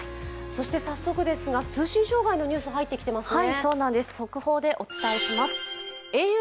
そして早速ですが、通信障害のニュース、入ってきていますね。